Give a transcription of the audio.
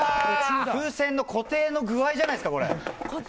風船の固定の具合じゃないですかこれ。